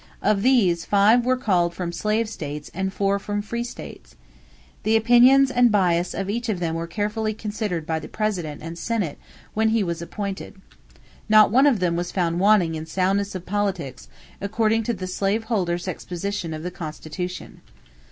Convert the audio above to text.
Of these, five were called from slave states and four from free states. The opinions and bias of each of them were carefully considered by the President and Senate when he was appointed. Not one of them was found wanting in soundness of politics, according to the slaveholder's exposition of the Constitution."